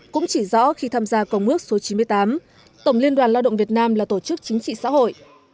cũng chỉ rõ khi tham gia công ước số chín mươi tám tổng liên đoàn lao động việt nam là tổ chức chính trị xã hội